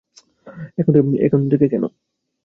এখন থেকে কেন?